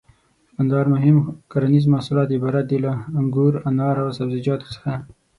د کندهار مهم کرنيز محصولات عبارت دي له: انګور، انار او سبزيجاتو څخه.